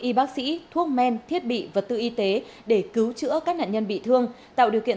y bác sĩ thuốc men thiết bị vật tư y tế để cứu chữa các nạn nhân bị thương tạo điều kiện